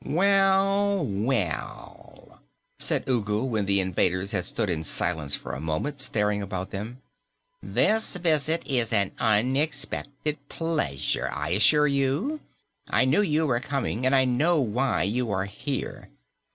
"Well, well," said Ugu when the invaders had stood in silence for a moment, staring about them. "This visit is an unexpected pleasure, I assure you. I knew you were coming, and I know why you are here.